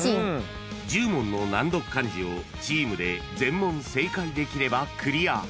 ［１０問の難読漢字をチームで全問正解できればクリア］